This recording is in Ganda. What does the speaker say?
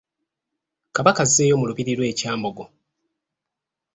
Kabaka azzeeyo mu lubiiri lwe e Kyambogo.